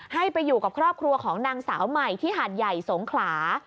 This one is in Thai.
ให้ไปอยู่กับครอบครัวของนางสาวใหม่ที่หาดใหญ่สงขลา